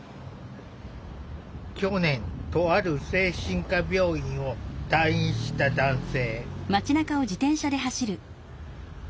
去年とある精神科病院を退院した男性。